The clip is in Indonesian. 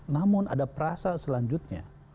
namun ada perasa selanjutnya